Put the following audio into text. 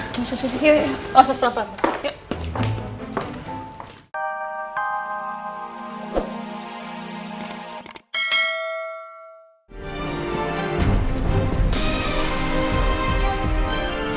ya sudah sudah